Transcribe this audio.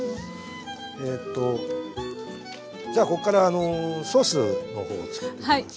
じゃここからソースの方をつくっていきます。